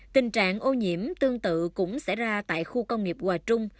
tình trạng ô nhiễm tương tự cũng xảy ra tại khu công nghiệp hòa trung